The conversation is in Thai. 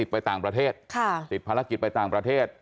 ไปต่างประเทศติดภารกิจไปต่างประเทศ